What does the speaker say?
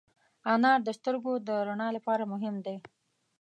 انار د سترګو د رڼا لپاره مهم دی.